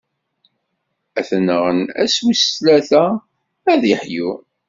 Ad t-nɣen, ass wis tlata, ad d-iḥyu.